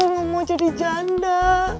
nggak mau jadi janda